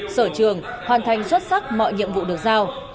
sở trường hoàn thành xuất sắc mọi nhiệm vụ được giao